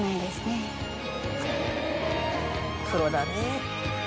プロだね。